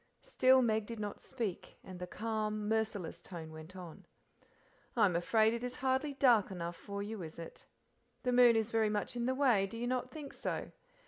Still Meg did not speak, and the calm, merciless voice went on. "I am afraid it is hardly dark enough for you, is it? The moon is very much in the way, do you not think so?